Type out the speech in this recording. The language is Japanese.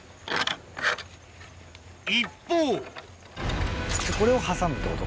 一方これを挟むってこと？